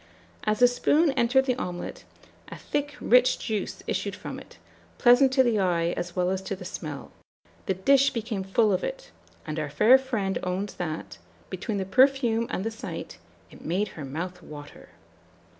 "As the spoon entered the omelet, a thick rich juice issued from it, pleasant to the eye as well as to the smell; the dish became full of it; and our fair friend owns that, between the perfume and the sight, it made her mouth water.